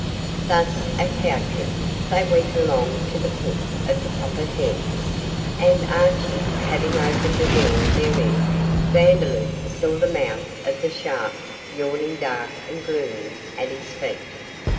Thus accoutred, they went along to the foot of the poppet heads, and Archie having opened a door therein, Vandeloup saw the mouth of the shaft yawning dark and gloomy at his feet.